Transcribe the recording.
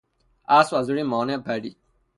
اسب از روی مانع پرید.